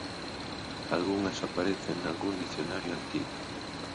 Algunhas aparecen nalgún dicionario antigo.